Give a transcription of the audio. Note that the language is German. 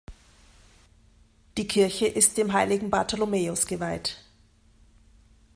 Die Kirche ist dem heiligen Bartholomäus geweiht.